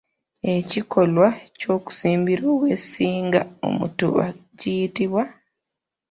Ekikolwa ky'okusimbira owessinga omutuba kiyitibwa?